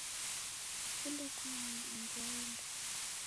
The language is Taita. Sikunde kumanya andu waenda.